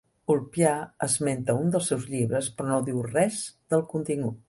Ulpià esmenta un dels seus llibres però no diu res del contingut.